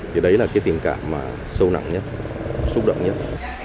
thì đấy là cái tình cảm mà sâu nặng nhất xúc động nhất